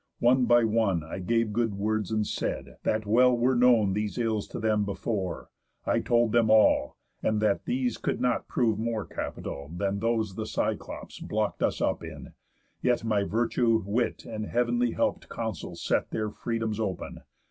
One by one I gave good words, and said: That well were known These ills to them before, I told them all, And that these could not prove more capital Than those the Cyclops block'd us up in, yet My virtue, wit, and heav'n help'd counsels set Their freedoms open.